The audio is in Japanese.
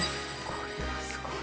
これはすごい。